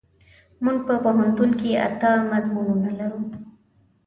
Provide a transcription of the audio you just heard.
مونږ په پوهنتون کې اته مضمونونه لرو.